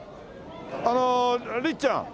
あのりっちゃん。